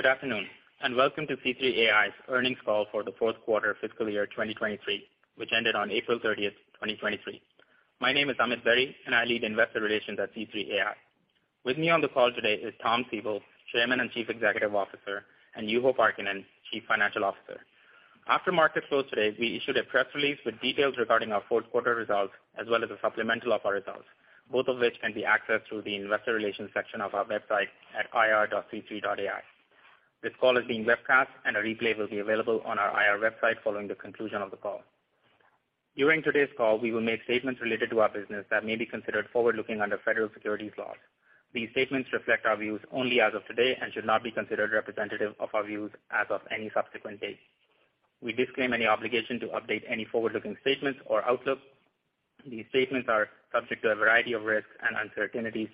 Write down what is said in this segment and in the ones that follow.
Good afternoon, welcome to C3 AI's earnings call for the fourth quarter fiscal year 2023, which ended on 30 April 2023. My name is Amit Berry, and I lead Investor Relations at C3 AI. With me on the call today is Tom Siebel, Chairman and Chief Executive Officer, and Juho Parkkinen, Chief Financial Officer. After market close today, we issued a press release with details regarding our fourth quarter results, as well as a supplemental of our results, both of which can be accessed through the investor relations section of our website at ir.c3.ai. This call is being webcast, and a replay will be available on our IR website following the conclusion of the call. During today's call, we will make statements related to our business that may be considered forward-looking under federal securities laws. These statements reflect our views only as of today and should not be considered representative of our views as of any subsequent date. We disclaim any obligation to update any forward-looking statements or outlook. These statements are subject to a variety of risks and uncertainties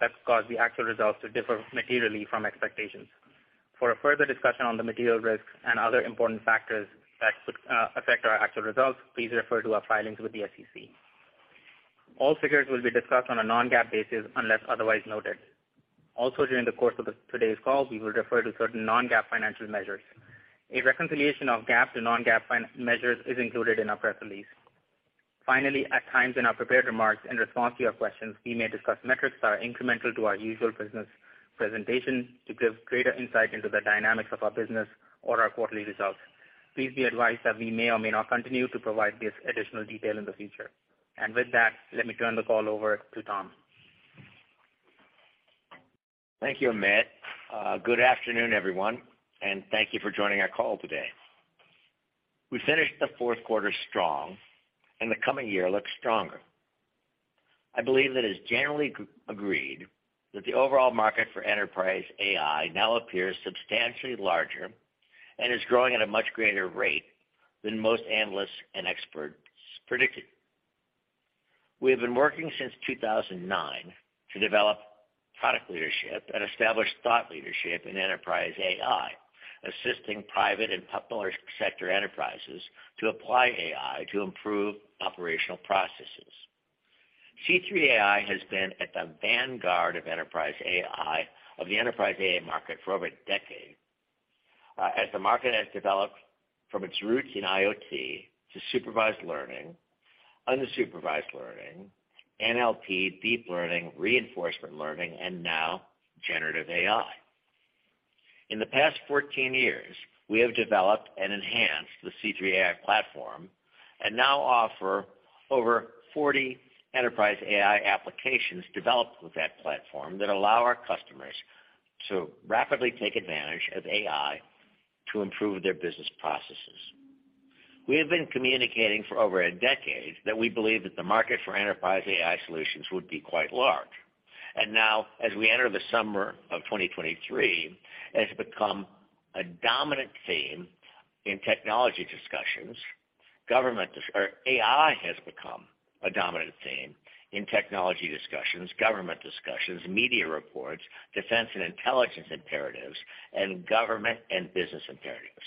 that could cause the actual results to differ materially from expectations. For a further discussion on the material risks and other important factors that could affect our actual results, please refer to our filings with the SEC. All figures will be discussed on a non-GAAP basis unless otherwise noted. During the course of today's call, we will refer to certain non-GAAP financial measures. A reconciliation of GAAP to non-GAAP financial measures is included in our press release. Finally, at times in our prepared remarks in response to your questions, we may discuss metrics that are incremental to our usual business presentation to give greater insight into the dynamics of our business or our quarterly results. Please be advised that we may or may not continue to provide this additional detail in the future. With that, let me turn the call over to Tom. Thank you, Amit. Good afternoon, everyone, and thank you for joining our call today. We finished the fourth quarter strong. The coming year looks stronger. I believe that it's generally agreed that the overall market for enterprise AI now appears substantially larger and is growing at a much greater rate than most analysts and experts predicted. We have been working since 2009 to develop product leadership and establish thought leadership in enterprise AI, assisting private and public sector enterprises to apply AI to improve operational processes. C3 AI has been at the vanguard of the enterprise AI market for over a decade, as the market has developed from its roots in IoT to supervised learning, unsupervised learning, NLP, deep learning, reinforcement learning, and now generative AI. In the past 14 years, we have developed and enhanced the C3 AI Platform and now offer over 40 enterprise AI applications developed with that platform that allow our customers to rapidly take advantage of AI to improve their business processes. We have been communicating for over a decade that we believe that the market for enterprise AI solutions would be quite large. Now, as we enter the summer of 2023, it has become a dominant theme in technology discussions, or AI has become a dominant theme in technology discussions, government discussions, media reports, defense and intelligence imperatives, and government and business imperatives.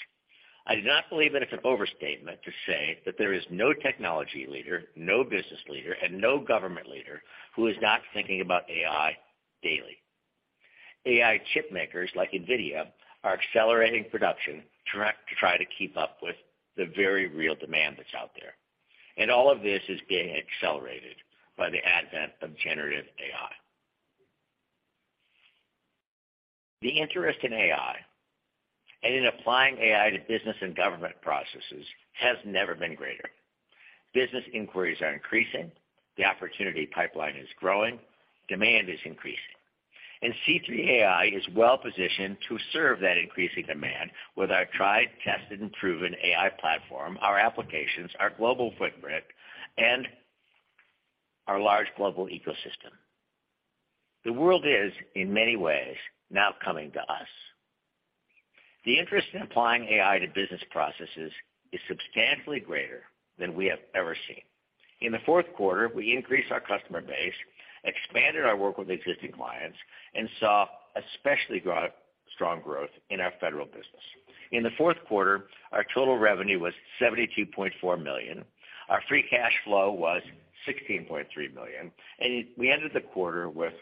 I do not believe that it's an overstatement to say that there is no technology leader, no business leader, and no government leader who is not thinking about AI daily. AI chipmakers, like NVIDIA, are accelerating production to try to keep up with the very real demand that's out there. All of this is being accelerated by the advent of generative AI. The interest in AI and in applying AI to business and government processes has never been greater. Business inquiries are increasing, the opportunity pipeline is growing, demand is increasing. C3 AI is well positioned to serve that increasing demand with our tried, tested, and proven AI platform, our applications, our global footprint, and our large global ecosystem. The world is, in many ways, now coming to us. The interest in applying AI to business processes is substantially greater than we have ever seen. In the fourth quarter, we increased our customer base, expanded our work with existing clients, saw especially strong growth in our federal business. In the fourth quarter, our total revenue was $72.4 million, our free cash flow was $16.3 million. We ended the quarter with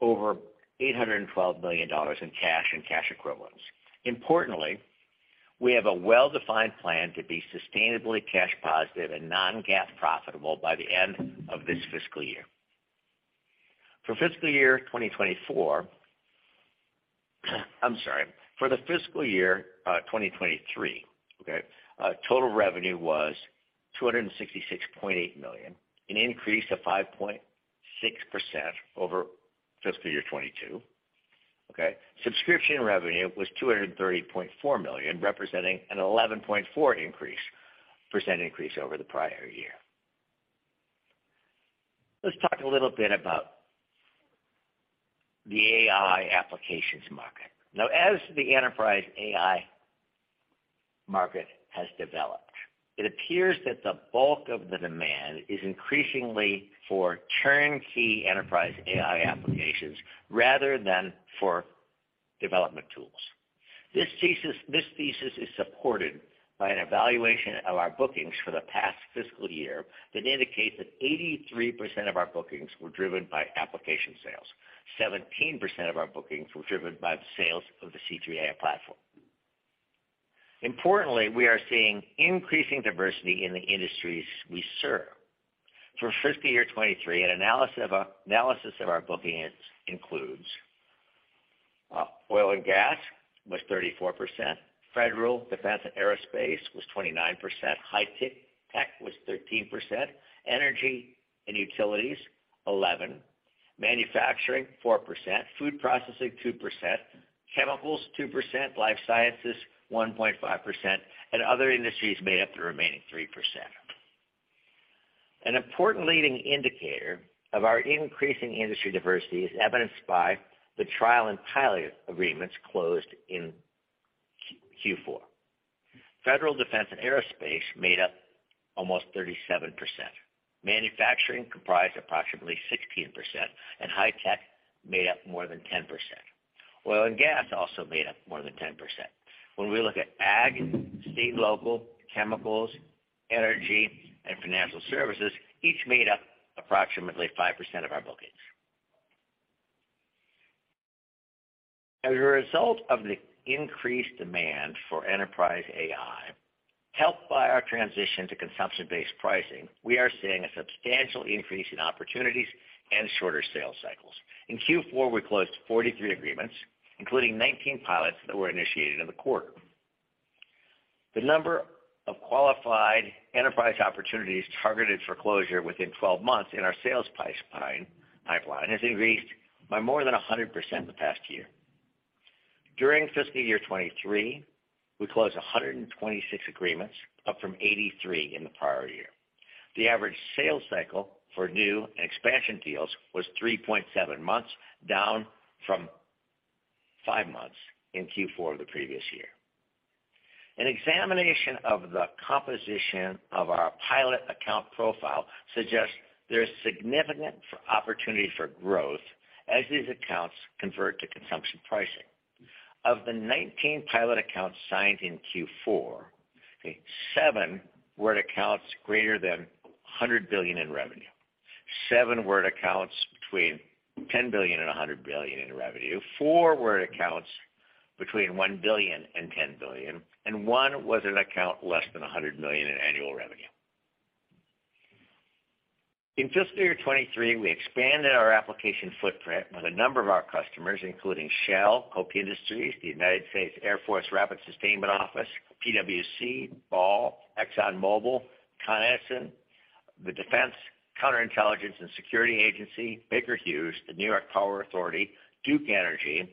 over $812 million in cash and cash equivalents. Importantly, we have a well-defined plan to be sustainably cash positive and non-GAAP profitable by the end of this fiscal year. For fiscal year 2024, I'm sorry, for the fiscal year 2023, okay, total revenue was $266.8 million, an increase of 5.6% over fiscal year 2022. Okay, subscription revenue was $230.4 million, representing an 11.4% increase over the prior year. Let's talk a little bit about the AI applications market. Now, as the enterprise AI market has developed, it appears that the bulk of the demand is increasingly for turnkey enterprise AI applications rather than for development tools. This thesis is supported by an evaluation of our bookings for the past fiscal year that indicates that 83% of our bookings were driven by application sales. 17% of our bookings were driven by the sales of the C3 AI Platform. Importantly, we are seeing increasing diversity in the industries we serve. For fiscal year 23, an analysis of our bookings includes oil and gas was 34%, federal defense and aerospace was 29%, high tech was 13%, energy and utilities, 11%, manufacturing, 4%, food processing, 2%, chemicals, 2%, life sciences, 1.5%, and other industries made up the remaining 3%. An important leading indicator of our increasing industry diversity is evidenced by the trial and pilot agreements closed in Q4. Federal defense and aerospace made up almost 37%. Manufacturing comprised approximately 16%, and high tech made up more than 10%. Oil and gas also made up more than 10%. When we look at ag, state, local, chemicals, energy, and financial services, each made up approximately 5% of our bookings. As a result of the increased demand for enterprise AI, helped by our transition to consumption-based pricing, we are seeing a substantial increase in opportunities and shorter sales cycles. In Q4, we closed 43 agreements, including 19 pilots that were initiated in the quarter. The number of qualified enterprise opportunities targeted for closure within 12 months in our sales pipeline, has increased by more than 100% in the past year. During fiscal year 2023, we closed 126 agreements, up from 83 in the prior year. The average sales cycle for new and expansion deals was 3.7 months, down from five months in Q4 of the previous year. An examination of the composition of our pilot account profile suggests there is significant opportunity for growth as these accounts convert to consumption pricing. Of the 19 pilot accounts signed in Q4, seven were at accounts greater than $100 billion in revenue. Seven were at accounts between $10 billion-$100 billion in revenue. Four were at accounts between $1 billion-$10 billion, and 1 was an account less than $100 million in annual revenue. In fiscal year 23, we expanded our application footprint with a number of our customers, including Shell, Koch Industries, the United States Air Force Rapid Sustainment Office, PwC, Ball, ExxonMobil, Con Edison, the Defense Counterintelligence and Security Agency, Baker Hughes, the New York Power Authority, Duke Energy,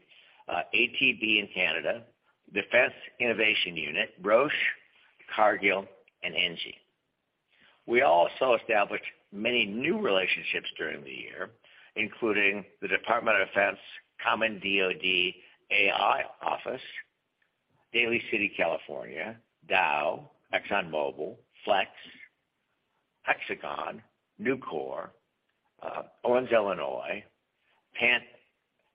ATB in Canada, Defense Innovation Unit, Roche, Cargill, and ENGIE. We also established many new relationships during the year, including the Department of Defense, Chief Digital and Artificial Intelligence Office, Daly City, California, Dow, ExxonMobil, Flex, Hexagon, Nucor, Owens-Illinois,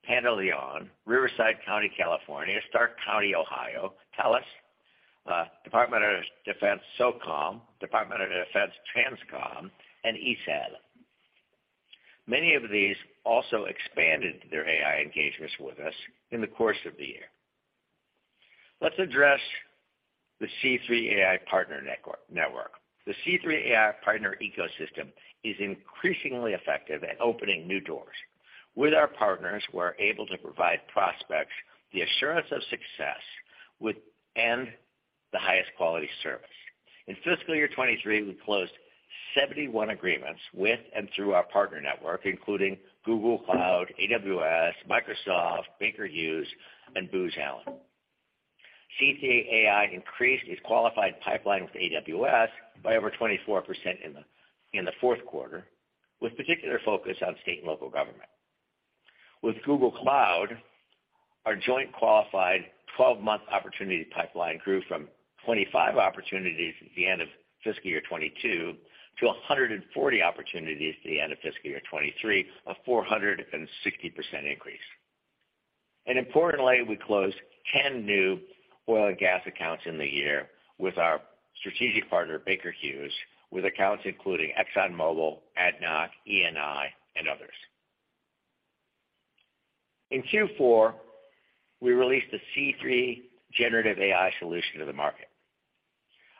Pantaleon, Riverside County, California, Stark County, Ohio, TELUS, Department of Defense, SOCOM, Department of Defense, TRANSCOM, and ESAD. Many of these also expanded their AI engagements with us in the course of the year. Let's address the C3 AI partner network. The C3 AI partner ecosystem is increasingly effective at opening new doors. With our partners, we're able to provide prospects the assurance of success and the highest quality service. In fiscal year 2023, we closed 71 agreements with and through our partner network, including Google Cloud, AWS, Microsoft, Baker Hughes, and Booz Allen. C3 AI increased its qualified pipeline with AWS by over 24% in the fourth quarter, with particular focus on state and local government. With Google Cloud, our joint qualified 12-month opportunity pipeline grew from 25 opportunities at the end of fiscal year 2022 to 140 opportunities at the end of fiscal year 2023, a 460% increase. Importantly, we closed 10 new oil and gas accounts in the year with our strategic partner, Baker Hughes, with accounts including ExxonMobil, ADNOC, Eni, and others. In Q4, we released the C3 Generative AI solution to the market.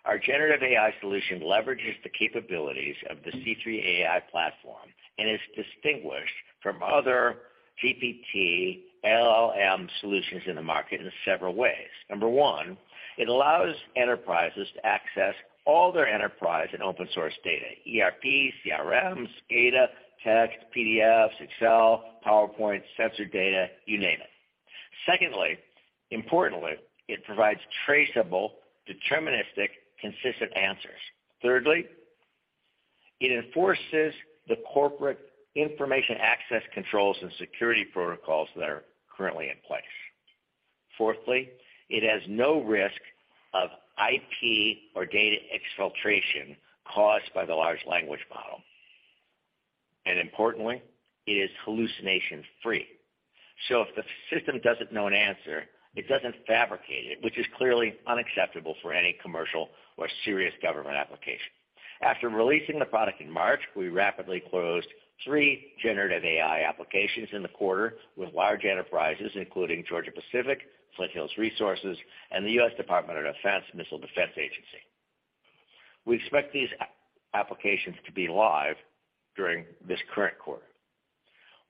Our generative AI solution leverages the capabilities of the C3 AI Platform and is distinguished from other GPT LLM solutions in the market in several ways. Number one, it allows enterprises to access all their enterprise and open source data, ERP, CRMs, data, text, PDFs, Excel, PowerPoint, sensor data, you name it. Secondly, importantly, it provides traceable, deterministic, consistent answers. Thirdly, it enforces the corporate information access controls and security protocols that are currently in place. Fourthly, it has no risk of IP or data exfiltration caused by the large language model and importantly, it is hallucination-free. If the system doesn't know an answer, it doesn't fabricate it, which is clearly unacceptable for any commercial or serious government application. After releasing the product in March, we rapidly closed three Generative AI applications in the quarter with large enterprises, including Georgia-Pacific, Flint Hills Resources, and the U.S. Department of Defense Missile Defense Agency. We expect these applications to be live during this current quarter.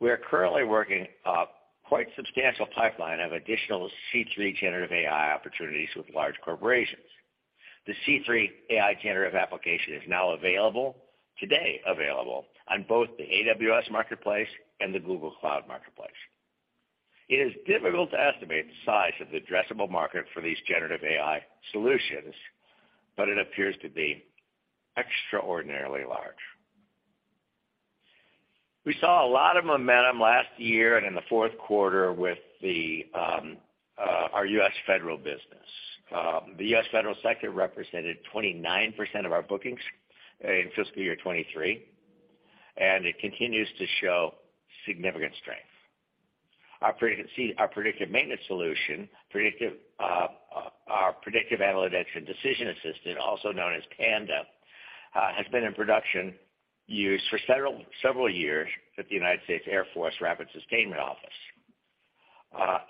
We are currently working a quite substantial pipeline of additional C3 Generative AI opportunities with large corporations. The C3 AI generative application is now available, today available, on both the AWS Marketplace and the Google Cloud Marketplace. It is difficult to estimate the size of the addressable market for these generative AI solutions, but it appears to be extraordinarily large. We saw a lot of momentum last year and in the fourth quarter with our U.S. federal business. The U.S. federal sector represented 29% of our bookings in fiscal year 2023, and it continues to show significant strength. Our predictive maintenance solution, our Predictive Analytics and Decision Assistant, also known as PANDA, has been in production use for several years at the United States Air Force Rapid Sustainment Office.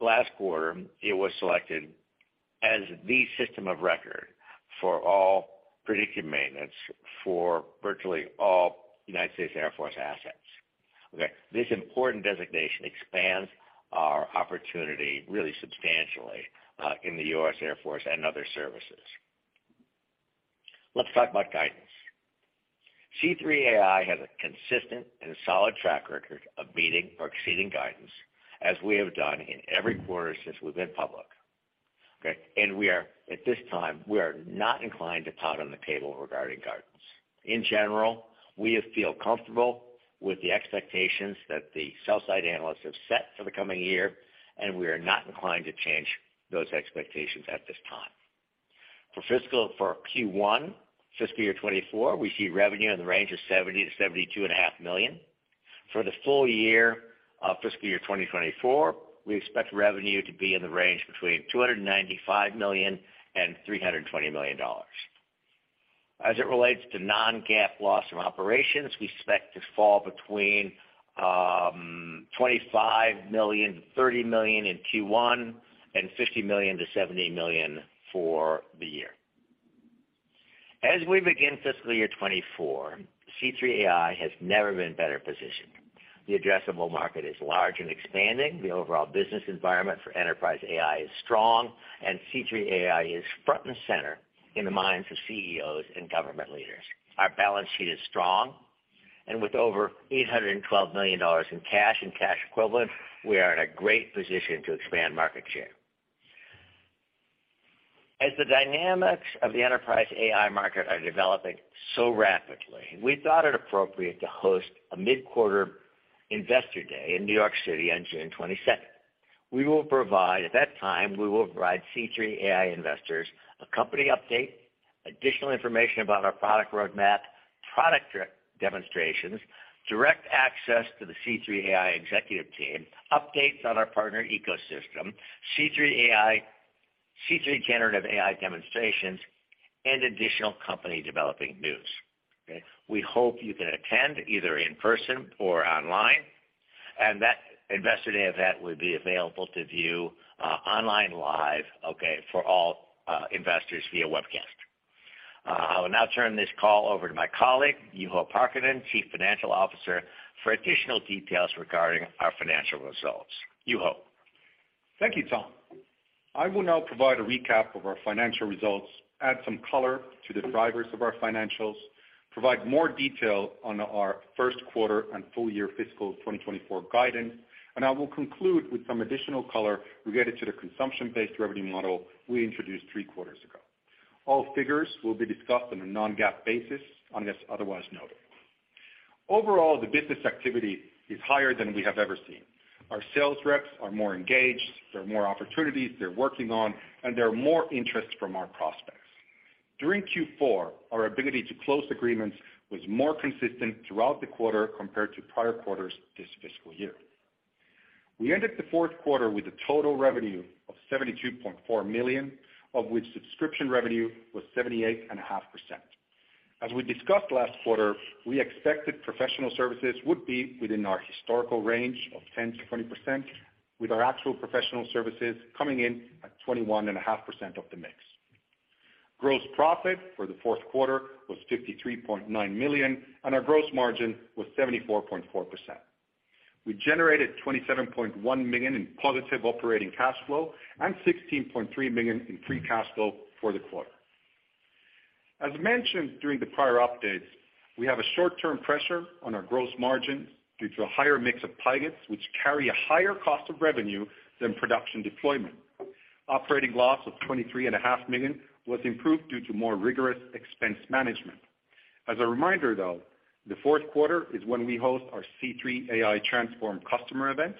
Last quarter, it was selected as the system of record for all predictive maintenance for virtually all United States Air Force assets. Okay, this important designation expands our opportunity really substantially in the US Air Force and other services. Let's talk about guidance. C3 AI has a consistent and solid track record of meeting or exceeding guidance, as we have done in every quarter since we've been public, okay. We are, at this time, we are not inclined to pout on the table regarding guidance. In general, we feel comfortable with the expectations that the sell side analysts have set for the coming year. We are not inclined to change those expectations at this time. For Q1, fiscal year 2024, we see revenue in the range of $70 million to seventy-two and a half million. For the full year of fiscal year 2024, we expect revenue to be in the range between $295 million and $320 million. As it relates to non-GAAP loss from operations, we expect to fall between $25 million to $30 million in Q1 and $50 million to $70 million for the year. As we begin fiscal year 2024, C3 AI has never been better positioned. The addressable market is large and expanding, the overall business environment for enterprise AI is strong, C3 AI is front and center in the minds of CEOs and government leaders. Our balance sheet is strong, with over $812 million in cash and cash equivalent, we are in a great position to expand market share. The dynamics of the enterprise AI market are developing so rapidly, we thought it appropriate to host a mid-quarter investor day in New York City on 22 June. At that time, we will provide C3 AI investors a company update, additional information about our product roadmap, product demonstrations, direct access to the C3 AI executive team, updates on our partner ecosystem, C3 Generative AI demonstrations, and additional company developing news, okay? We hope you can attend either in person or online, and that investor day event will be available to view online live, okay, for all investors via webcast. I will now turn this call over to my colleague, Juho Parkkinen, Chief Financial Officer, for additional details regarding our financial results. Juho? Thank you, Tom. I will now provide a recap of our financial results, add some color to the drivers of our financials, provide more detail on our first quarter and full year fiscal 2024 guidance, and I will conclude with some additional color related to the consumption-based revenue model we introduced three quarters ago. All figures will be discussed on a non-GAAP basis, unless otherwise noted. Overall, the business activity is higher than we have ever seen. Our sales reps are more engaged, there are more opportunities they're working on, and there are more interest from our prospects. During Q4, our ability to close agreements was more consistent throughout the quarter compared to prior quarters this fiscal year. We ended the fourth quarter with a total revenue of $72.4 million, of which subscription revenue was 78.5%. As we discussed last quarter, we expected professional services would be within our historical range of 10%-20%, with our actual professional services coming in at 21.5% of the mix. Gross profit for the fourth quarter was $53.9 million, and our gross margin was 74.4%. We generated $27.1 million in positive operating cash flow and $16.3 million in free cash flow for the quarter. As mentioned during the prior updates, we have a short-term pressure on our gross margins due to a higher mix of pilots, which carry a higher cost of revenue than production deployment. Operating loss of $23.5 million was improved due to more rigorous expense management. As a reminder, though, the fourth quarter is when we host our C3 AI Transform customer event.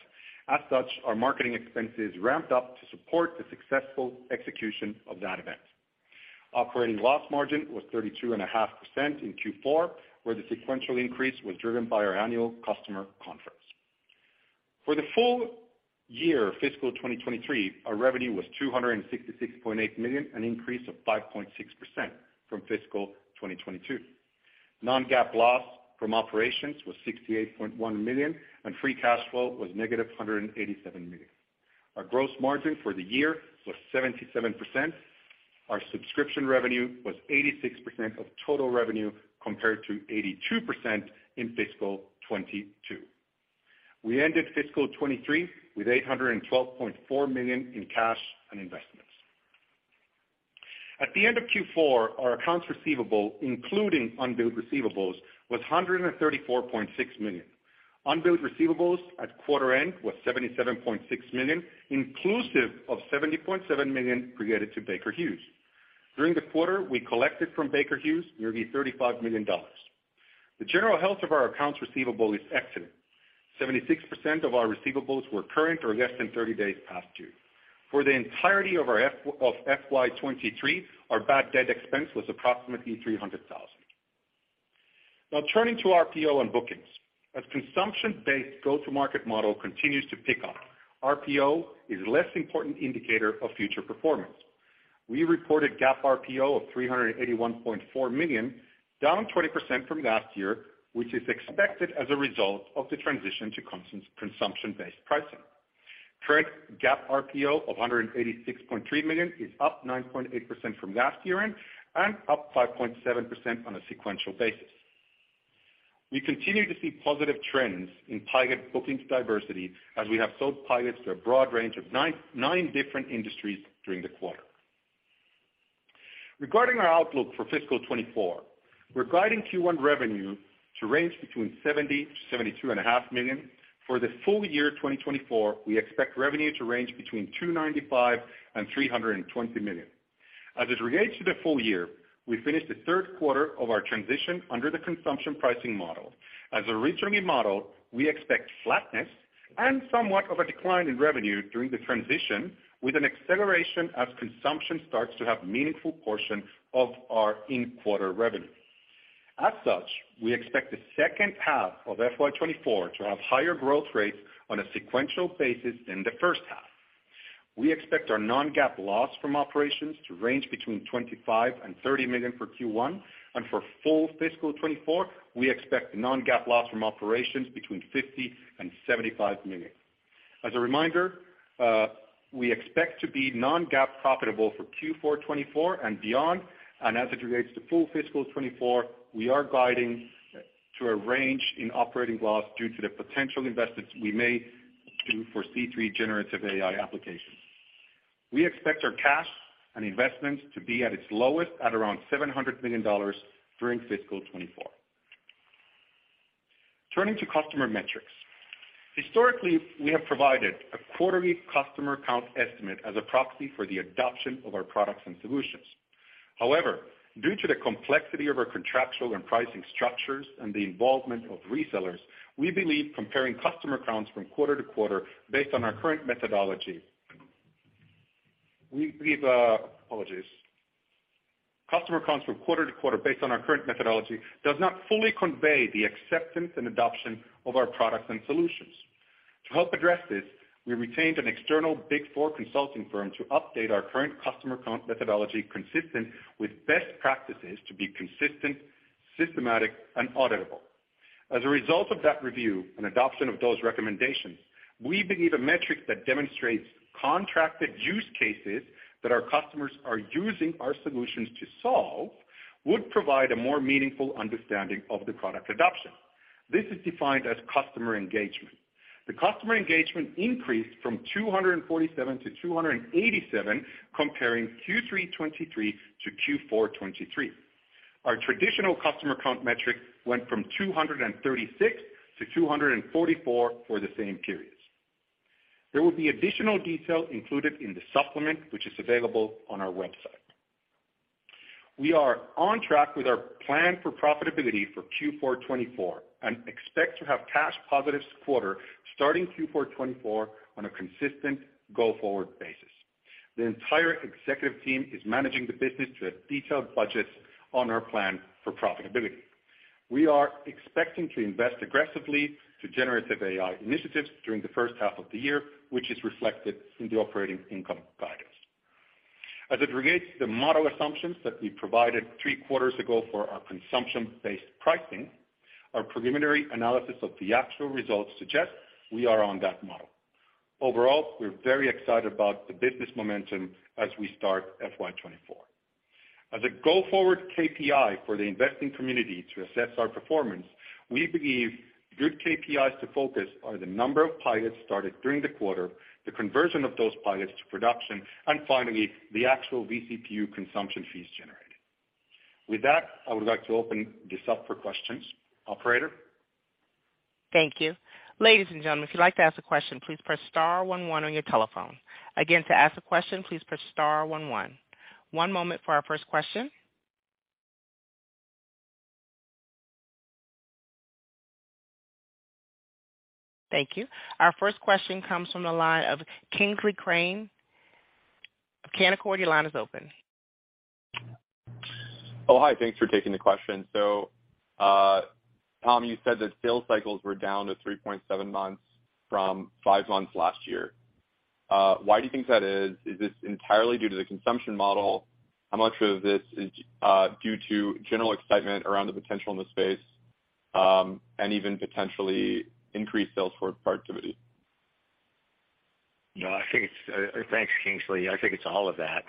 Our marketing expenses ramped up to support the successful execution of that event. Operating loss margin was 32.5% in Q4, where the sequential increase was driven by our annual customer conference. For the full year fiscal 2023, our revenue was $266.8 million, an increase of 5.6% from fiscal 2022. Non-GAAP loss from operations was $68.1 million, and free cash flow was negative $187 million. Our gross margin for the year was 77%. Our subscription revenue was 86% of total revenue, compared to 82% in fiscal 2022. We ended fiscal 2023 with $812.4 million in cash and investments. At the end of Q4, our accounts receivable, including unbilled receivables, was $134.6 million. Unbilled receivables at quarter end was $77.6 million, inclusive of $70.7 million related to Baker Hughes. During the quarter, we collected from Baker Hughes nearly $35 million. The general health of our accounts receivable is excellent. 76% of our receivables were current or less than 30 days past due. For the entirety of our FY 2023, our bad debt expense was approximately $300,000. Turning to RPO and bookings. As consumption-based go-to-market model continues to pick up, RPO is a less important indicator of future performance. We reported GAAP RPO of $381.4 million, down 20% from last year, which is expected as a result of the transition to consumption-based pricing. Trend GAAP RPO of $186.3 million is up 9.8% from last year-end and up 5.7% on a sequential basis. We continue to see positive trends in pilot bookings diversity, as we have sold pilots to a broad range of nine different industries during the quarter. Regarding our outlook for fiscal 2024, we're guiding Q1 revenue to range between $70 million to seventy-two and a half million. For the full year 2024, we expect revenue to range between $295 million and $320 million. As it relates to the full year, we finished the third quarter of our transition under the consumption pricing model. As a returning model, we expect flatness and somewhat of a decline in revenue during the transition, with an acceleration as consumption starts to have meaningful portion of our in-quarter revenue. As such, we expect the second half of FY 2024 to have higher growth rates on a sequential basis than the first half. We expect our non-GAAP loss from operations to range between $25 million and $30 million for Q1, and for full fiscal 2024, we expect non-GAAP loss from operations between $50 million and $75 million. As a reminder, we expect to be non-GAAP profitable for Q4 2024 and beyond, and as it relates to full fiscal 2024, we are guiding to a range in operating loss due to the potential investments we may do for C3 Generative AI applications. We expect our cash and investments to be at its lowest at around $700 million during fiscal 2024. Turning to customer metrics. Historically, we have provided a quarterly customer count estimate as a proxy for the adoption of our products and solutions. Due to the complexity of our contractual and pricing structures and the involvement of resellers, customer counts from quarter to quarter, based on our current methodology, does not fully convey the acceptance and adoption of our products and solutions. To help address this, we retained an external Big Four consulting firm to update our current customer count methodology consistent with best practices to be consistent, systematic, and auditable. As a result of that review and adoption of those recommendations, we believe a metric that demonstrates contracted use cases that our customers are using our solutions to solve, would provide a more meaningful understanding of the product adoption. This is defined as customer engagement. The customer engagement increased from 247 to 287, comparing Q3 2023 to Q4 2023. Our traditional customer count metric went from 236 to 244 for the same periods. There will be additional detail included in the supplement, which is available on our website. We are on track with our plan for profitability for Q4 2024 and expect to have cash positives quarter starting Q4 2024 on a consistent go-forward basis. The entire executive team is managing the business to have detailed budgets on our plan for profitability. We are expecting to invest aggressively to generative AI initiatives during the first half of the year, which is reflected in the operating income guidance. As it relates to the model assumptions that we provided 3 quarters ago for our consumption-based pricing, our preliminary analysis of the actual results suggest we are on that model. Overall, we're very excited about the business momentum as we start FY 2024. As a go-forward KPI for the investing community to assess our performance, we believe good KPIs to focus are the number of pilots started during the quarter, the conversion of those pilots to production, and finally, the actual vCPU consumption fees generated. With that, I would like to open this up for questions. Operator? Thank you. Ladies and gentlemen, if you'd like to ask a question, please press star one one on your telephone. Again, to ask a question, please press star one one. One moment for our first question. Thank you. Our first question comes from the line of Kingsley Crane of Canaccord. Your line is open. Hi. Thanks for taking the question. Tom Siebel, you said that sales cycles were down to 3.7 months from five months last year. Why do you think that is? Is this entirely due to the consumption model? How much of this is due to general excitement around the potential in the space, and even potentially increased sales force productivity? Thanks, Kingsley. I think it's all of that.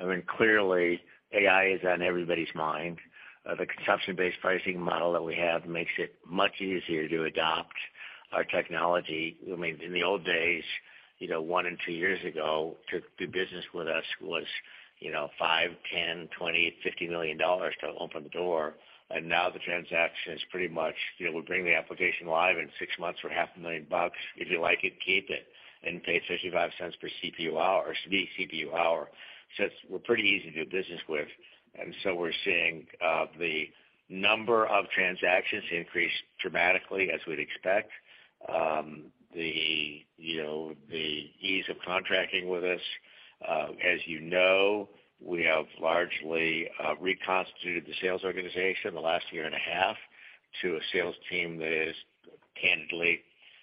I mean, clearly, AI is on everybody's mind. The consumption-based pricing model that we have makes it much easier to adopt our technology. I mean, in the old days, you know, one and two years ago, to do business with us was, you know, $5 million, $10 million, $20 million, $50 million to open the door, and now the transaction is pretty much, you know, we'll bring the application live in 6 months for half a million dollars. If you like it, keep it, and pay $0.55 per CPU hour, vCPU hour. We're pretty easy to do business with. We're seeing the number of transactions increase dramatically as we'd expect. The, you know, the ease of contracting with us. As you know, we have largely reconstituted the sales organization the last year and a half to a sales team that is candidly,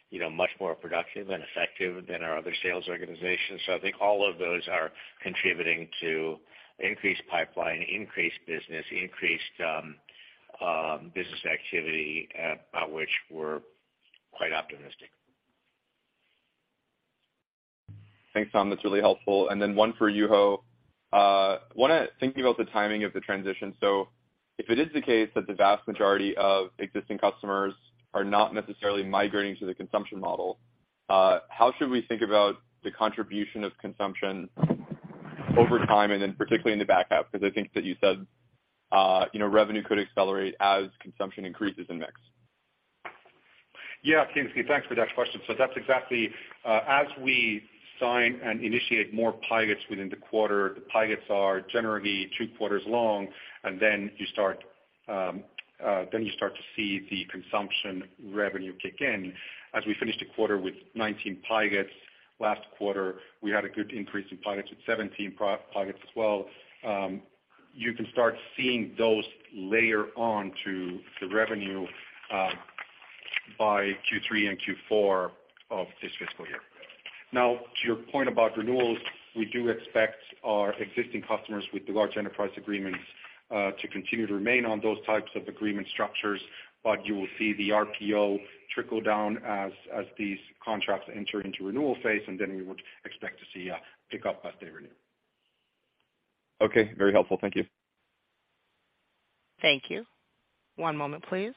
you know, much more productive and effective than our other sales organizations. I think all of those are contributing to increased pipeline, increased business, increased business activity, which we're quite optimistic. Thanks, Tom. That's really helpful. One for Juho. One, thinking about the timing of the transition, if it is the case that the vast majority of existing customers are not necessarily migrating to the consumption model, how should we think about the contribution of consumption over time, particularly in the back half? I think that you said, you know, revenue could accelerate as consumption increases in mix. Yeah, Kingsley, thanks for that question. As we sign and initiate more pilots within the quarter, the pilots are generally two quarters long, then you start to see the consumption revenue kick in. As we finished the quarter with 19 pilots, last quarter, we had a good increase in pilots at 17 pilots as well. You can start seeing those layer on to the revenue by Q3 and Q4 of this fiscal year. To your point about renewals, we do expect our existing customers with the large enterprise agreements to continue to remain on those types of agreement structures, but you will see the RPO trickle down as these contracts enter into renewal phase, and then we would expect to see a pickup as they renew. Okay. Very helpful. Thank you. Thank you. One moment, please.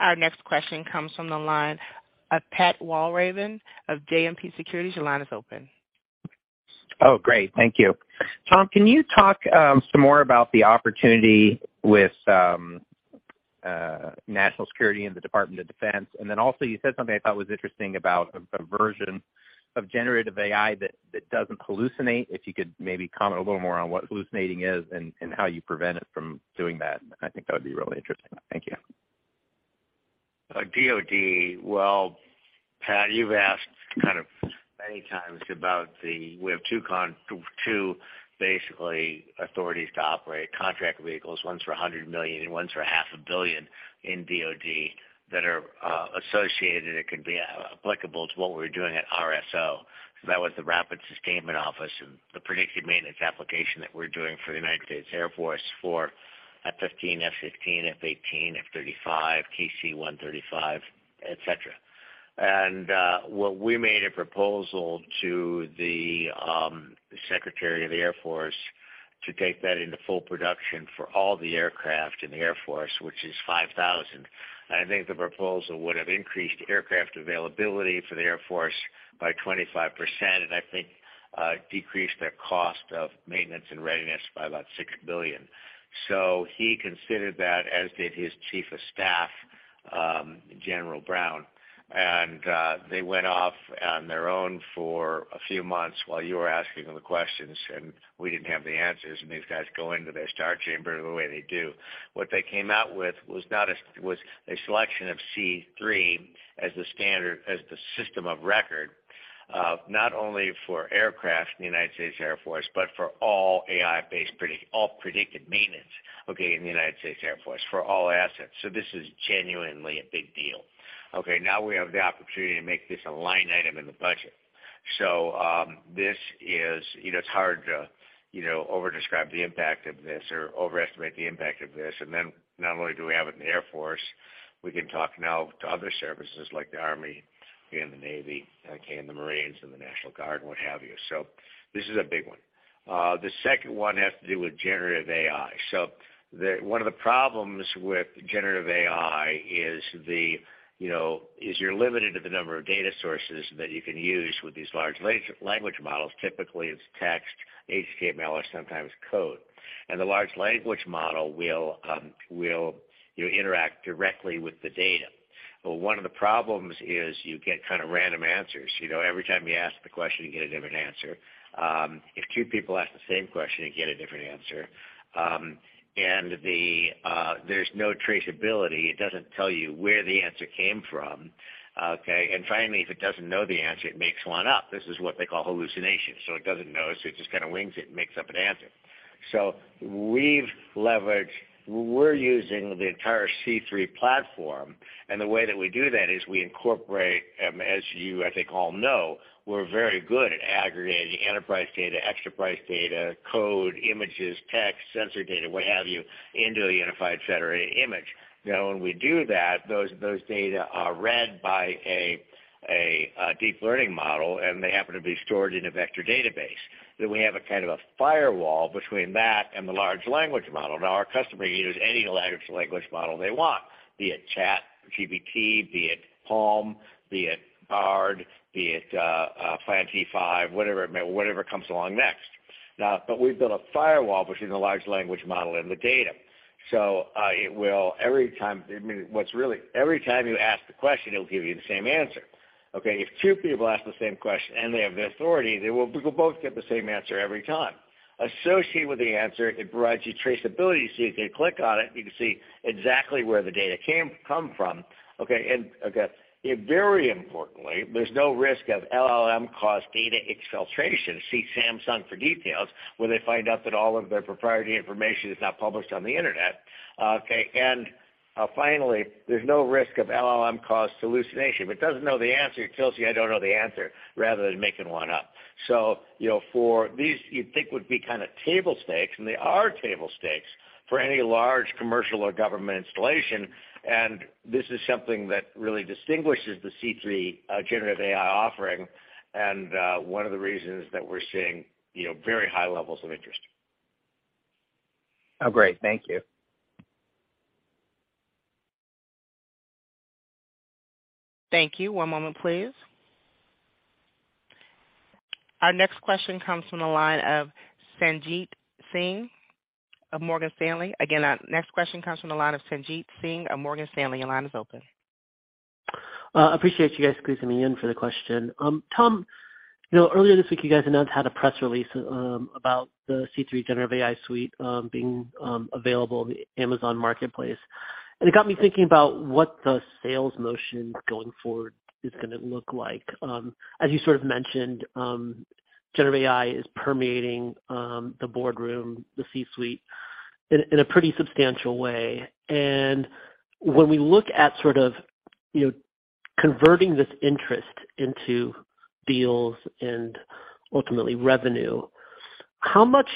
Our next question comes from the line of Pat Walravens of JMP Securities. Your line is open. Great. Thank you. Tom, can you talk some more about the opportunity with national security and the Department of Defense? Also, you said something I thought was interesting about a version of generative AI that doesn't hallucinate. If you could maybe comment a little more on what hallucinating is and how you prevent it from doing that, I think that would be really interesting. Thank you. DoD. Well, Pat, you've asked kind of many times about we have Two, basically, authorities to operate contract vehicles, one's for $100 million, and one's for half a billion in DoD that are associated, and it could be applicable to what we're doing at RSO. That was the Rapid Sustainment Office and the predictive maintenance application that we're doing for the United States Air Force for F-15, F-15, F/A-18, F-35, TC-135, et cetera. Well, we made a proposal to the Secretary of the Air Force to take that into full production for all the aircraft in the Air Force, which is 5,000. I think the proposal would have increased aircraft availability for the Air Force by 25%, and I think decreased their cost of maintenance and readiness by about $6 billion. He considered that, as did his chief of staff, General Brown, and they went off on their own for a few months while you were asking them the questions, and we didn't have the answers, and these guys go into their star chamber the way they do. What they came out with was not a selection of C3 as the standard, as the system of record, not only for aircraft in the United States Air Force, but for all AI-based predicted maintenance in the United States Air Force for all assets. This is genuinely a big deal. Now we have the opportunity to make this a line item in the budget. You know, it's hard to, you know, over describe the impact of this or overestimate the impact of this. Not only do we have it in the Air Force, we can talk now to other services like the Army and the Navy, okay, and the Marines and the National Guard, what have you. This is a big one. The second one has to do with generative AI. One of the problems with generative AI is, you know, you're limited to the number of data sources that you can use with these large language models. Typically, it's text, HTML, or sometimes code. The large language model will, you interact directly with the data. One of the problems is you get kind of random answers. You know, every time you ask the question, you get a different answer. If two people ask the same question, you get a different answer. And there's no traceability. It doesn't tell you where the answer came from, okay? Finally, if it doesn't know the answer, it makes one up. This is what they call hallucination. It doesn't know, so it just kind of wings it and makes up an answer. We're using the entire C3 platform, and the way that we do that is we incorporate, as you, I think, all know, we're very good at aggregating enterprise data, extra price data, code, images, text, sensor data, what have you, into a unified federated image. When we do that, those data are read by a deep learning model, and they happen to be stored in a vector database. We have a kind of a firewall between that and the large language model. Our customer can use any large language model they want, be it ChatGPT, be it PaLM, be it Bard, be it Falcon, whatever it may, whatever comes along next. We've built a firewall between the large language model and the data. It will every time I mean, every time you ask the question, it'll give you the same answer, okay? If two people ask the same question and they have the authority, they will both get the same answer every time. Associated with the answer, it provides you traceability, so if you click on it, you can see exactly where the data came, come from, okay? Very importantly, there's no risk of LLM-caused data exfiltration. See Samsung for details, where they find out that all of their proprietary information is now published on the Internet, okay. Finally, there's no risk of LLM-caused hallucination. If it doesn't know the answer, it tells you, "I don't know the answer," rather than making one up. You know, for these, you'd think would be kind of table stakes, and they are table stakes for any large commercial or government installation, and this is something that really distinguishes the C3 Generative AI offering, and one of the reasons that we're seeing, you know, very high levels of interest. Great. Thank you. Thank you. One moment, please. Our next question comes from the line of Sanjit Singh of Morgan Stanley. Your line is open. Appreciate you guys squeezing me in for the question. Tom, you know, earlier this week, you guys announced, had a press release about the C3 Generative AI Suite being available on the AWS Marketplace. It got me thinking about what the sales motion going forward is gonna look like. As you sort of mentioned, generative AI is permeating the boardroom, the C-suite, in a pretty substantial way. When we look at sort of, you know, converting this interest into deals and ultimately revenue, how much,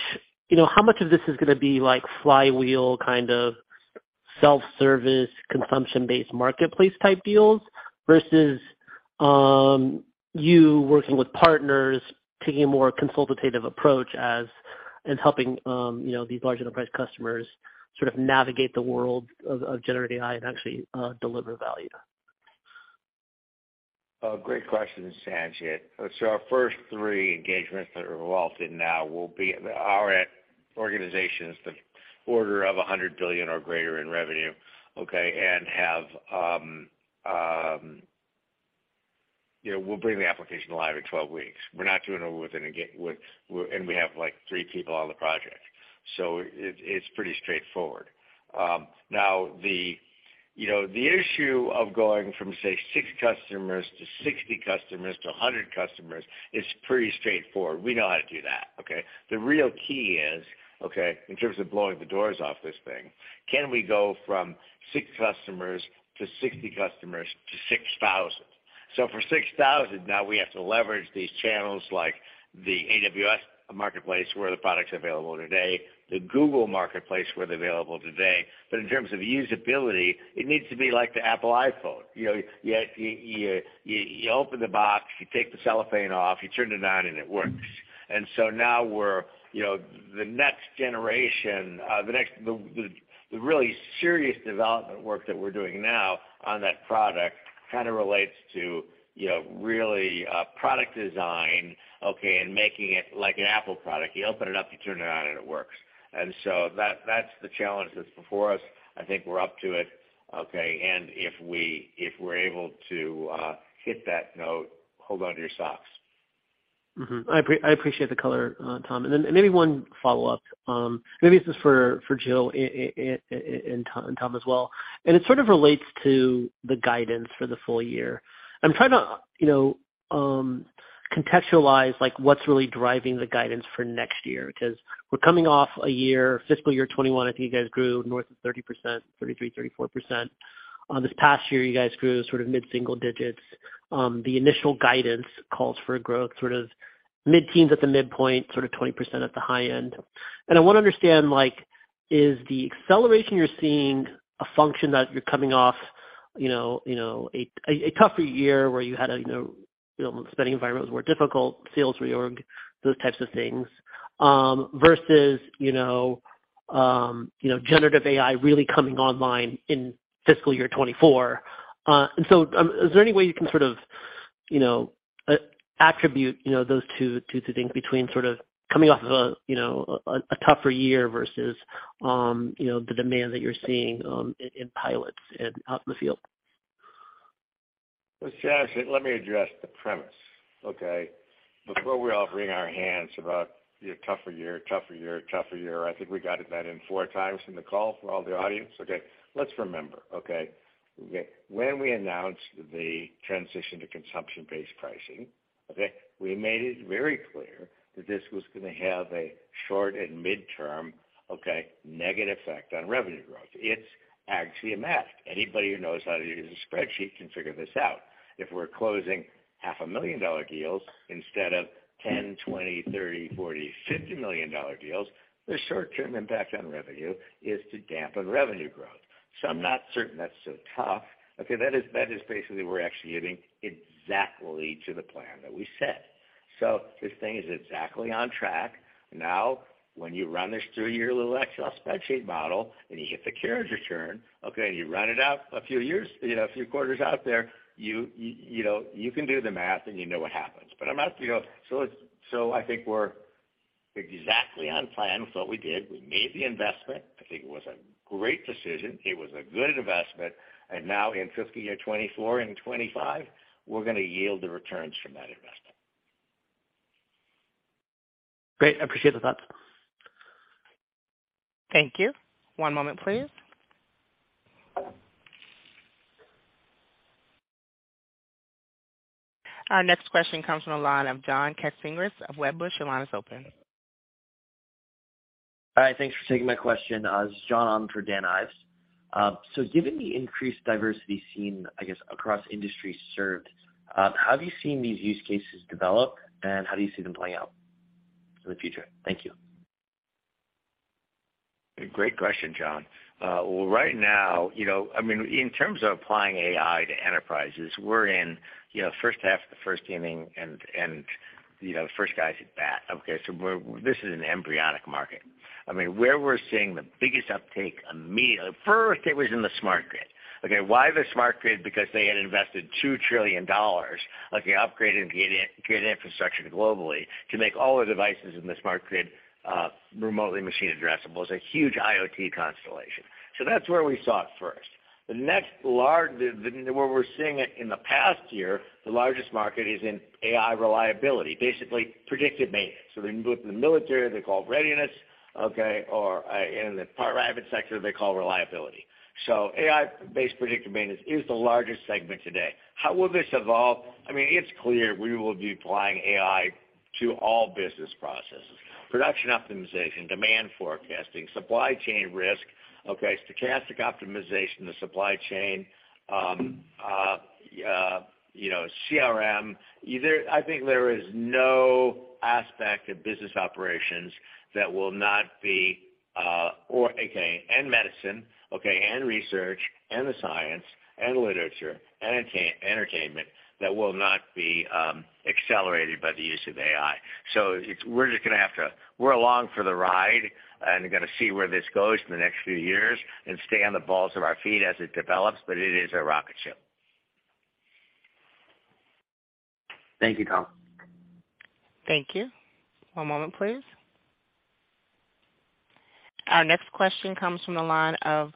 you know, how much of this is gonna be like flywheel, kind of self-service, consumption-based marketplace type deals? Versus, you working with partners, taking a more consultative approach as, and helping, you know, these large enterprise customers sort of navigate the world of generative AI and actually deliver value. Great question, Sanjit. Our first three engagements that are involved in now will be, are at organizations, the order of $100 billion or greater in revenue, okay. Have, you know, we'll bring the application live in 12 weeks. We're not doing it with an again, and we have, like, three people on the project, it's pretty straightforward. Now, the, you know, the issue of going from, say, 6 customers to 60 customers to 100 customers is pretty straightforward. We know how to do that, okay. The real key is, okay, in terms of blowing the doors off this thing, can we go from 6 customers to 60 customers to 6,000? For 6,000, now we have to leverage these channels like the AWS Marketplace, where the product's available today, the Google Marketplace, where they're available today. In terms of usability, it needs to be like the Apple iPhone. You know, you open the box, you take the cellophane off, you turn it on, and it works. Now we're, you know, the next generation, the really serious development work that we're doing now on that product kind of relates to, you know, really product design, okay, and making it like an Apple product. You open it up, you turn it on, and it works. That's the challenge that's before us. I think we're up to it, okay? If we're able to hit that note, hold on to your socks. I appreciate the color, Tom. Then maybe one follow-up. Maybe this is for Juho, and Tom as well, and it sort of relates to the guidance for the full year. I'm trying to, you know, contextualize, like, what's really driving the guidance for next year. Because we're coming off a year, fiscal year 2021, I think you guys grew north of 30%, 33%-34%. This past year, you guys grew sort of mid-single digits. The initial guidance calls for growth sort of mid-teens at the midpoint, sort of 20% at the high end. I want to understand, like, is the acceleration you're seeing a function that you're coming off, you know, you know, a tougher year where you had a, you know, spending environment was more difficult, sales reorg, those types of things, versus, you know, you know, generative AI really coming online in fiscal year 2024, is there any way you can attribute, you know, those two things between sort of coming off of a, you know, a tougher year versus, you know, the demand that you're seeing, in pilots and out in the field? Let's just, let me address the premise, okay? Before we all wring our hands about, you know, tougher year, tougher year, tougher year, I think we got that in 4 times in the call for all the audience. Okay, let's remember, okay, when we announced the transition to consumption-based pricing, okay, we made it very clear that this was gonna have a short and midterm, okay, negative effect on revenue growth. It's axiomatic. Anybody who knows how to use a spreadsheet can figure this out. If we're closing half a million dollar deals instead of $10 million, $20 million, $30 million, $40 million, $50 million dollar deals, the short-term impact on revenue is to dampen revenue growth. I'm not certain that's so tough. Okay, that is basically we're executing exactly to the plan that we set. This thing is exactly on track. When you run this through your little Excel spreadsheet model, you hit the carriage return, okay, you run it out a few years, you know, a few quarters out there, you know, you can do the math and you know what happens. I'm asking you, so I think we're exactly on plan with what we did. We made the investment. I think it was a great decision. It was a good investment. Now in 50 or 2024 and 2025, we're gonna yield the returns from that investment. Great. I appreciate the thoughts. Thank you. One moment, please. Our next question comes from the line of John Katsingris of Wedbush. Your line is open. Hi, thanks for taking my question. This is John Katsingris on for Dan Ives. Given the increased diversity seen, I guess, across industries served, how have you seen these use cases develop, and how do you see them playing out in the future? Thank you. Great question, John. Well, right now, you know, I mean, in terms of applying AI to enterprises, we're in, you know, first half of the first inning and, you know, first guys at bat. Okay, this is an embryonic market. I mean, where we're seeing the biggest uptake immediately. First, it was in the smart grid. Okay, why the smart grid? Because they had invested $2 trillion, okay, upgrading the grid infrastructure globally to make all the devices in the smart grid, remotely machine addressable. It's a huge IoT constellation. That's where we saw it first. The next large, where we're seeing it in the past year, the largest market is in AI reliability, basically predictive maintenance. They can do it in the military, they call it readiness, okay, or in the private sector, they call reliability. AI-based predictive maintenance is the largest segment today. How will this evolve? I mean, it's clear we will be applying AI to all business processes, production optimization, demand forecasting, supply chain risk, okay, stochastic optimization, the supply chain, you know, CRM. I think there is no aspect of business operations that will not be, or okay, and medicine, okay, and research, and the science, and literature, entertainment, that will not be accelerated by the use of AI. It's, we're just gonna have to. We're along for the ride, and gonna see where this goes in the next few years and stay on the balls of our feet as it develops. It is a rocket ship. Thank you, Tom. Thank you. One moment, please. Our next question comes from the line of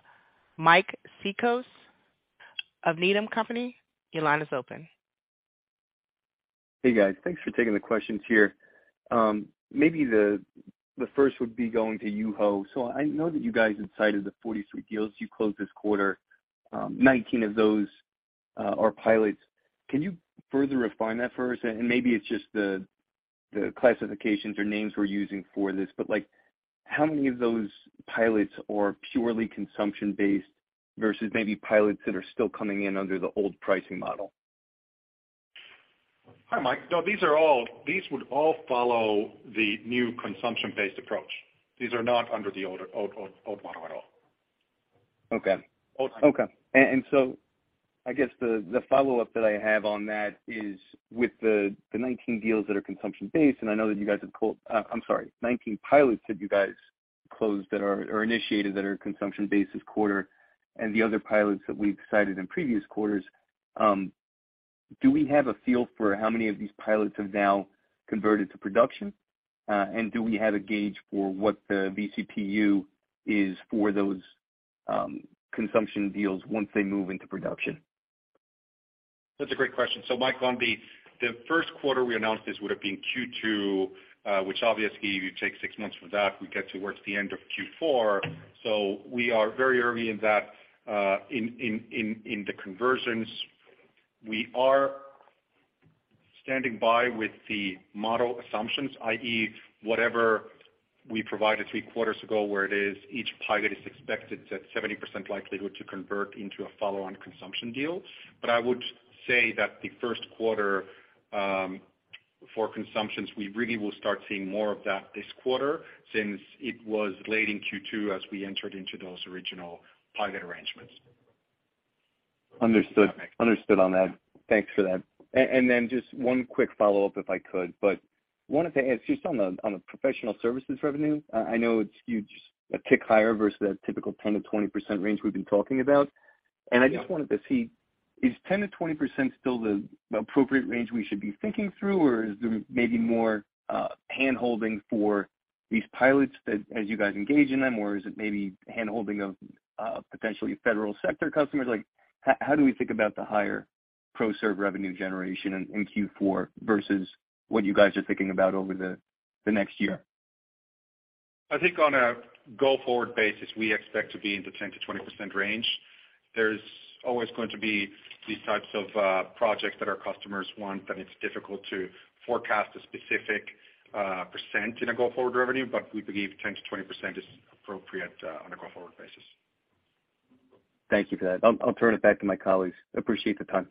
Mike Cikos of Needham & Company. Your line is open. Hey, guys. Thanks for taking the questions here. Maybe the first would be going to Juho. I know that you guys had cited the 43 deals you closed this quarter. 19 of those are pilots. Can you further refine that for us? Maybe it's just the classifications or names we're using for this, but, like, how many of those pilots are purely consumption-based versus maybe pilots that are still coming in under the old pricing model? Hi, Mike. No, these would all follow the new consumption-based approach. These are not under the older model at all. Okay. I guess the follow-up that I have on that is, with the 19 deals that are consumption-based, and I know that you guys have 19 pilots that you guys closed that are, or initiated that are consumption-based this quarter, and the other pilots that we've cited in previous quarters, do we have a feel for how many of these pilots have now converted to production? Do we have a gauge for what the vCPU is for those consumption deals once they move into production? That's a great question. Mike, on the first quarter we announced this would have been Q2, which obviously, you take six months from that, we get towards the end of Q4. We are very early in that, in the conversions. We are standing by with the model assumptions, i.e., whatever we provided three quarters ago, where it is each pilot is expected at 70% likelihood to convert into a follow-on consumption deal. I would say that the first quarter for consumptions, we really will start seeing more of that this quarter since it was late in Q2 as we entered into those original pilot arrangements. Understood. Understood on that. Thanks for that. Just one quick follow-up, if I could. Wanted to ask just on the, on the professional services revenue, I know it's huge, a tick higher versus the typical 10%-20% range we've been talking about. I just wanted to see, is 10%-20% still the appropriate range we should be thinking through? Or is there maybe more handholding for these pilots as you guys engage in them, or is it maybe handholding of, potentially federal sector customers? Like, how do we think about the higher pro serve revenue generation in Q4 versus what you guys are thinking about over the next year? I think on a go-forward basis, we expect to be in the 10%-20% range. There's always going to be these types of projects that our customers want, but it's difficult to forecast a specific percent in a go-forward revenue, but we believe 10%-20% is appropriate on a go-forward basis. Thank you for that. I'll turn it back to my colleagues. Appreciate the time.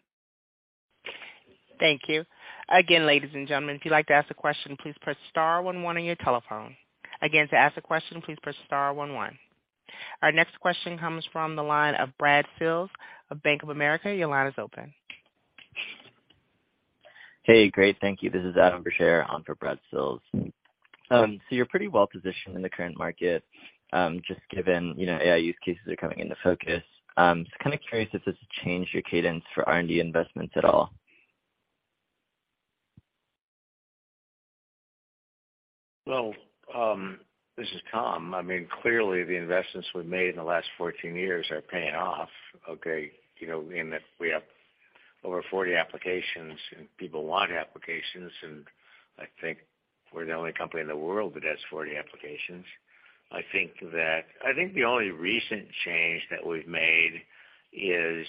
Thank you. Again, ladies and gentlemen, if you'd like to ask a question, please press star one one on your telephone. Again, to ask a question, please press star one one. Our next question comes from the line of Brad Sills of Bank of America. Your line is open. Hey, great. Thank you. This is Adam Bergere on for Brad Sills. You're pretty well positioned in the current market, just given, you know, AI use cases are coming into focus. Just kind of curious if this has changed your cadence for R&D investments at all? Well, this is Tom. I mean, clearly, the investments we've made in the last 14 years are paying off, okay? You know, in that we have over 40 applications, and people want applications, and I think we're the only company in the world that has 40 applications. I think the only recent change that we've made is,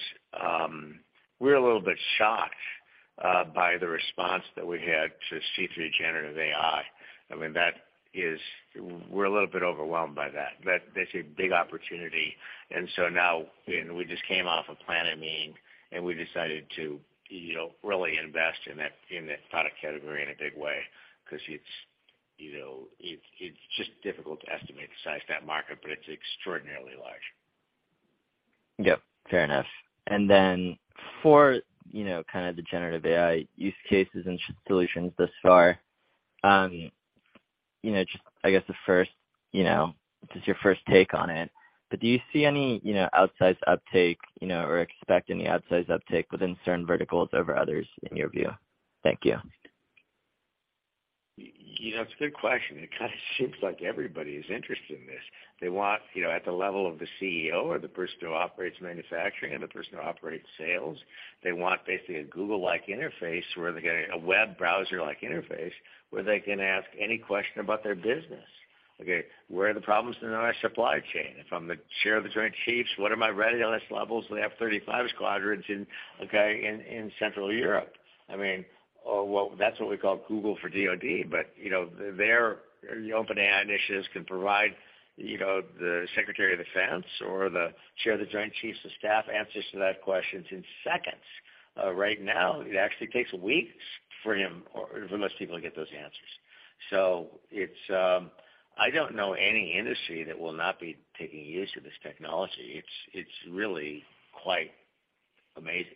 we're a little bit shocked by the response that we had to C3 Generative AI. I mean, that is. We're a little bit overwhelmed by that. That's a big opportunity. Now, we just came off of planning, and we decided to, you know, really invest in that, in that product category in a big way, 'cause it's, you know, it's just difficult to estimate the size of that market, but it's extraordinarily large. Yep, fair enough. For, you know, kind of the generative AI use cases and solutions thus far, you know, just, I guess, the first, you know, just your first take on it, but do you see any, you know, outsized uptake, you know, or expect any outsized uptake within certain verticals over others in your view? Thank you. You know, it's a good question. It kind of seems like everybody is interested in this. They want, you know, at the level of the CEO or the person who operates manufacturing and the person who operates sales, they want basically a Google-like interface, where they get a web browser-like interface, where they can ask any question about their business. Okay, where are the problems in our supply chain? If I'm the Chair of the Joint Chiefs, what are my ready list levels? We have 35 squadrons in, okay, in Central Europe. I mean, well, that's what we call Google for DoD, but, you know, there, the open AI initiatives can provide, you know, the Secretary of Defense or the Chair of the Joint Chiefs of Staff, answers to that questions in seconds. Right now, it actually takes weeks for him or for most people to get those answers. It's, I don't know any industry that will not be taking use of this technology. It's, it's really quite amazing.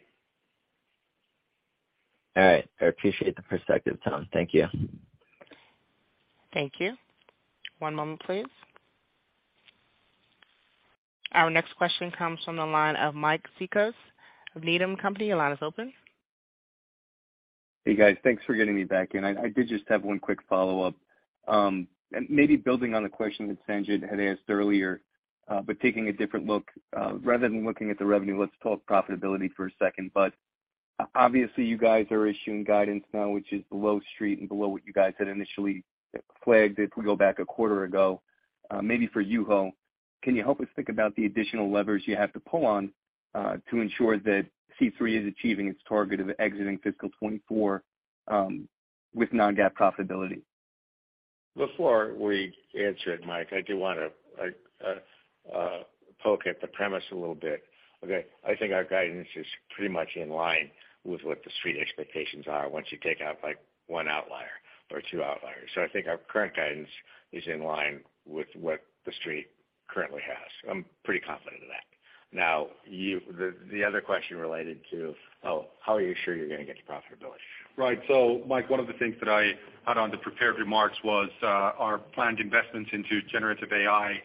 All right. I appreciate the perspective, Tom. Thank you. Thank you. One moment, please. Our next question comes from the line of Mike Cikos of Needham & Company. Your line is open. Hey, guys. Thanks for getting me back in. I did just have one quick follow-up, and maybe building on a question that Sanjit had asked earlier, taking a different look. Rather than looking at the revenue, let's talk profitability for a second. Obviously, you guys are issuing guidance now, which is below Street and below what you guys had initially flagged if we go back a quarter ago. Maybe for Juho, can you help us think about the additional levers you have to pull on to ensure that C3 AI is achieving its target of exiting fiscal 2024 with non-GAAP profitability? Before we answer it, Mike, I do want to poke at the premise a little bit. Okay, I think our guidance is pretty much in line with what the Street expectations are once you take out, like, one outlier or two outliers. I think our current guidance is in line with what the Street currently has. I'm pretty confident of that. Now, the other question related to, oh, how are you sure you're gonna get to profitability? Mike, one of the things that I had on the prepared remarks was our planned investments into Generative AI,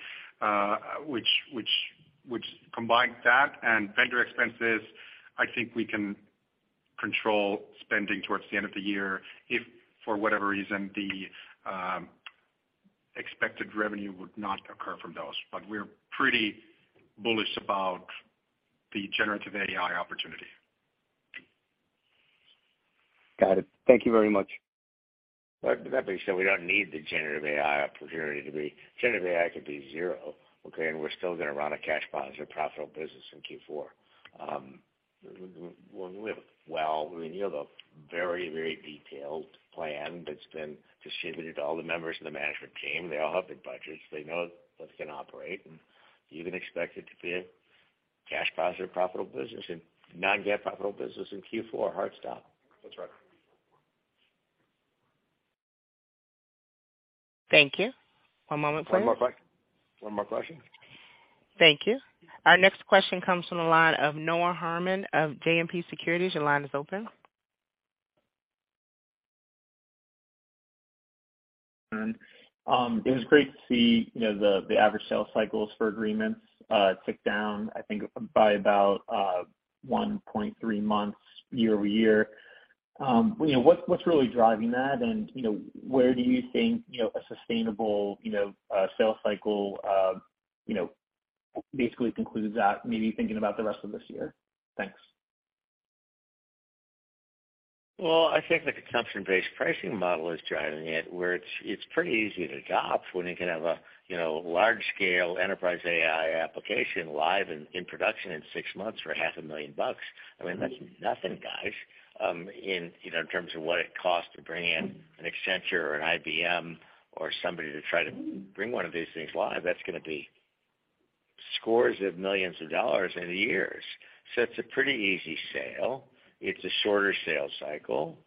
which combined that and vendor expenses, I think we can control spending towards the end of the year, if for whatever reason, the expected revenue would not occur from those. We're pretty bullish about the Generative AI opportunity. Got it. Thank you very much. That being said, we don't need the generative AI opportunity. Generative AI could be 0, okay. We're still gonna run a cash positive, profitable business in Q4. Well, I mean, we have a very, very detailed plan that's been distributed to all the members of the management team. They all have their budgets. They know what's gonna operate. Even expect it to be a cash positive, profitable business and non-GAAP profitable business in Q4, hard stop. That's right. Thank you. One moment, please. One more question. Thank you. Our next question comes from the line of Pat Walravens of JMP Securities. Your line is open. It was great to see, you know, the average sales cycles for agreements, tick down, I think, by about, 1.3 months year-over-year. You know, what's really driving that? You know, where do you think, you know, a sustainable, you know, sales cycle, you know, basically concludes at, maybe thinking about the rest of this year? Thanks. Well, I think the consumption-based pricing model is driving it, where it's pretty easy to adopt when you can have a, you know, large scale enterprise AI application live in production in 6 months for half a million bucks. I mean, that's nothing, guys, in, you know, in terms of what it costs to bring in an Accenture or an IBM or somebody to try to bring one of these things live. That's gonna be scores of millions of dollars and years. It's a pretty easy sale. It's a shorter sales cycle.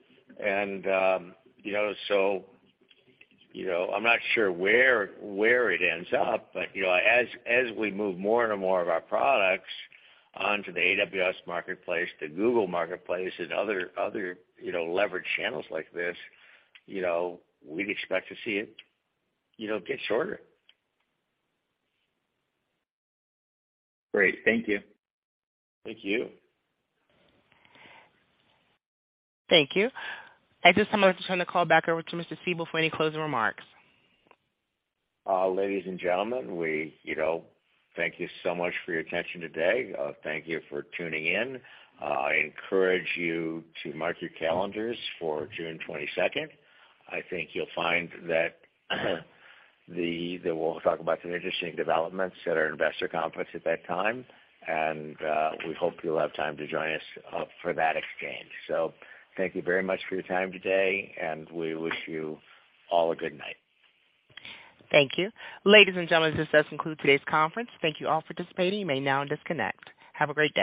you know, so, you know, I'm not sure where it ends up, but, you know, as we move more and more of our products onto the AWS Marketplace, the Google Marketplace, and other, you know, leverage channels like this, you know, we'd expect to see it, you know, get shorter. Great. Thank you. Thank you. Thank you. At this time, I'd like to turn the call back over to Mr. Siebel for any closing remarks. Ladies and gentlemen, we, you know, thank you so much for your attention today. Thank you for tuning in. I encourage you to mark your calendars for 22 June. I think you'll find that we'll talk about some interesting developments at our investor conference at that time, and we hope you'll have time to join us for that exchange. Thank you very much for your time today, and we wish you all a good night. Thank you. Ladies and gentlemen, this does conclude today's conference. Thank you all for participating. You may now disconnect. Have a great day.